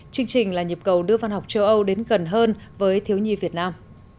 chương trình là nhịp cầu đưa văn học châu âu đến gần hơn với thiếu nhi việt nam